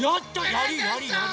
やりやりやり！